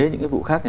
những cái vụ khác này